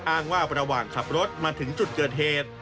อ้างว่าระหว่างขับรถมาถึงจุดเกิดเหตุ